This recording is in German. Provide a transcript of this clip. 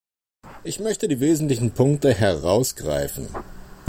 Ich möchte die wesentlichen Punkte herausgreifen.